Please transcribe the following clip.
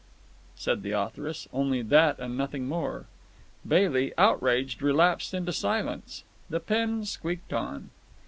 said the authoress. Only that and nothing more. Bailey, outraged, relapsed into silence. The pen squeaked on.